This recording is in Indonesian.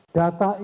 data ini antaranya